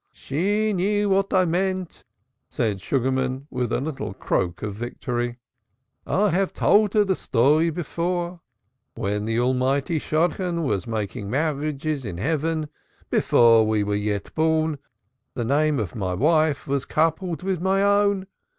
"Soorka knew what I meant," said Sugarman with a little croak of victory, "I have told her the story before. When the Almighty Shadchan was making marriages in Heaven, before we were yet born, the name of my wife was coupled with my own.